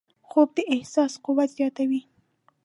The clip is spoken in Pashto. خوب د احساس قوت زیاتوي